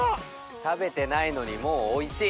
食べてないのにもうおいしい！